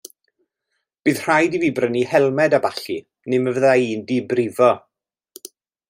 Bydd rhaid i fi brynu helmed a ballu neu mi fydda i 'di brifo.